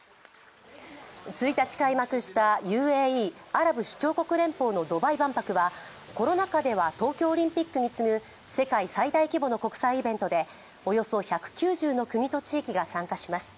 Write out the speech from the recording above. １日開幕したＵＡＥ＝アラブ首長国連邦のドバイ万博はコロナ禍では東京オリンピックに次ぐ世界最大規模の国際イベントでおよそ１９０の国と地域が参加します。